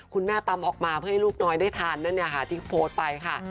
คุณแม่ตำออกมาเพื่อให้ลูกน้อยได้ทานนั่นเนี่ยค่ะที่โพสต์ไปค่ะ